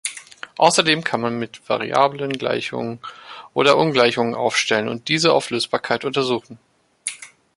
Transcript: Außerdem kann man mit Variablen Gleichungen oder Ungleichungen aufstellen und diese auf Lösbarkeit untersuchen.